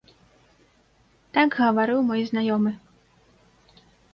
Так гаварыў мой знаёмы.